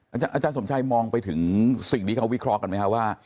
อาจารย์สมชัยมองไปถึงสิ่งที่เขาวิเคราะห์กันไหมครับว่า